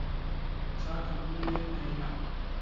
چاکم بدەیە مەیلە